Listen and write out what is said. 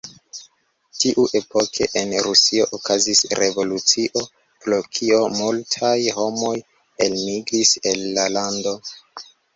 Tiuepoke en Rusio okazis revolucio, pro kio multaj homoj elmigris el la lando.